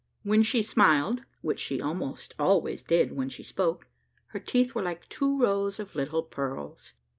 When she smiled, which she almost always did when she spoke, her teeth were like two rows of little pearls.